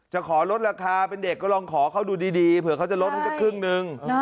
จะขอลดราคาเป็นเด็กก็ลองขอเขาดูดีเผื่อเขาจะลดให้สักครึ่งนึง